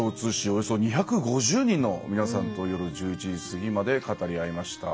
およそ２５０人の皆さんと夜１１時過ぎまで語り合いました。